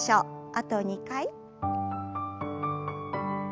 あと２回。